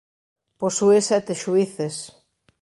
Posúe sete xuíces.